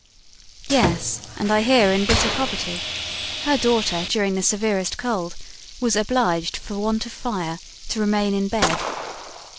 "Yes, and I hear in bitter poverty. Her daughter, during the severest cold, was obliged for want of fire to remain in bed.